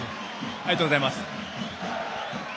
ありがとうございます。